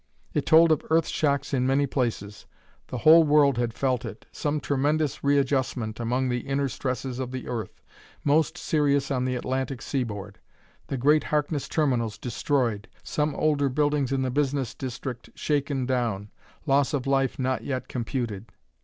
It told of earth shocks in many places the whole world had felt it some tremendous readjustment among the inner stresses of the earth most serious on the Atlantic seaboard the great Harkness Terminals destroyed some older buildings in the business district shaken down loss of life not yet computed....